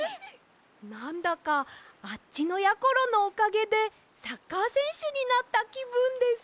なんだかあっちのやころのおかげでサッカーせんしゅになったきぶんです。